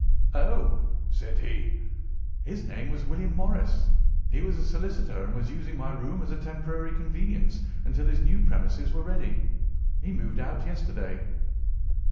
"'Oh,' said he, 'his name was William Morris. He was a solicitor and was using my room as a temporary convenience until his new premises were ready. He moved out yesterday.